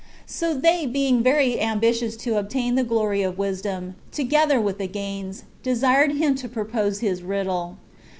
So they being very ambitious to obtain the glory of wisdom, together with the gains, desired him to propose his riddle.